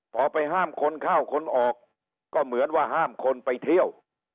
พอไปห้ามคนเข้าคนออกก็เหมือนว่าห้ามคนไปเที่ยว